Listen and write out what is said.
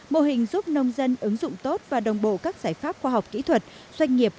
mô hình giúp nông dân ứng dụng tốt và đồng bộ các giải pháp khoa học kỹ thuật doanh nghiệp